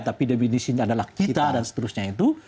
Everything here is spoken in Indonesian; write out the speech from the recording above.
tapi definisinya adalah kita dan seterusnya itu